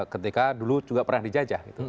ketika dulu juga pernah dijajah